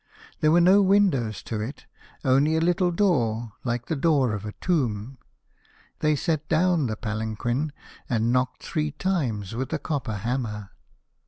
There were no windows to it, only a little door like the door of a tomb. They set down the palanquin and knocked three times with a copper hammer.